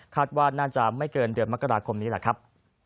ว่าน่าจะไม่เกินเดือนมกราคมนี้แหละครับ